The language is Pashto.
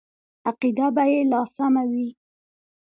عقیده به یې لا سمه وي.